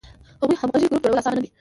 خو همغږی ګروپ جوړول آسانه نه ده.